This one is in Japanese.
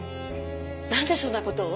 なんでそんな事を？